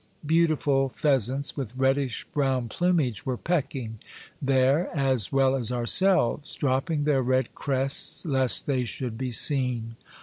Beautiful pheasants with reddish brown plumage were pecking there as well as ourselves, dropping their red crests lest they should be seen.